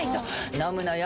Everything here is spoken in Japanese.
飲むのよ